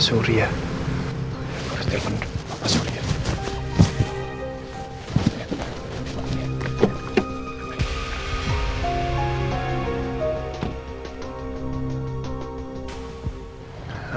itu artinya ada ada satu masalah itu